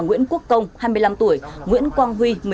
nguyễn quốc công hai mươi năm tuổi nguyễn quang huy